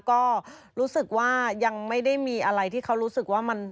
ก็รู้สึกว่ายังไม่ได้มีอะไรที่เขารู้สึกว่ามัน